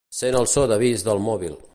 Sent el so d’avís del mòbil.